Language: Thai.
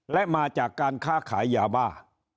และมาจากการค้าขายยาบ้า